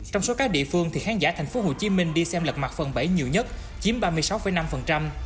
trong số các địa phương thì khán giả thành phố hồ chí minh đi xem lật mặt phần bảy nhiều nhất chiếm ba mươi sáu năm